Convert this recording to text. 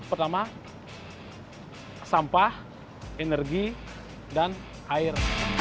pertama sampah energi dan air